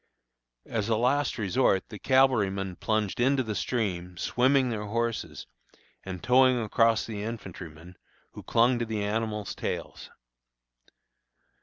As a last resort the cavalrymen plunged into the stream, swimming their horses, and towing across the infantrymen, who clung to the animals' tails!